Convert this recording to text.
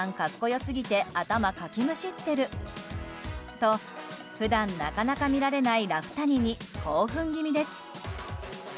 と、普段なかなか見られないラフ谷に興奮気味です。